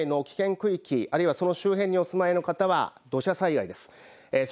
特に土砂災害の危険区域あるいは、その周辺にお住まいの方は土砂災害です。